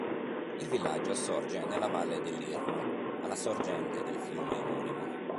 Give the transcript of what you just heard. Il villaggio sorge nella Valle dell'Irno, alla sorgente del fiume omonimo.